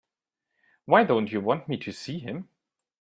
Why don't you want me to see him?